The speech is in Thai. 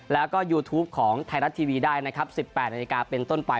แล้วก็ยูทูปของไทยรัฐทีวีได้นะครับ๑๘นาฬิกาเป็นต้นไป